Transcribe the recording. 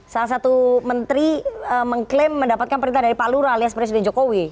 salah satu menteri mengklaim mendapatkan perintah dari pak lura alias presiden jokowi